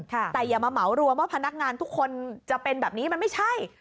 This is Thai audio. แต่อย่ามาเหมารวมว่าพนักงานทุกคนจะเป็นแบบนี้มันไม่ใช่